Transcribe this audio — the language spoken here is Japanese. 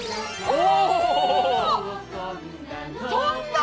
お！